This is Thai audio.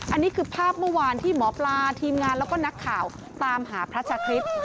อันนี้คือภาพเมื่อวานที่หมอปลาทีมงานแล้วก็นักข่าวตามหาพระชาคริสต์